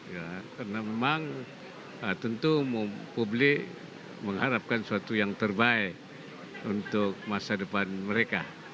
karena memang tentu publik mengharapkan sesuatu yang terbaik untuk masa depan mereka